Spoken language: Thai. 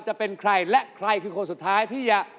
จะเป็นใครและใครคือคนสุดท้ายที่จะ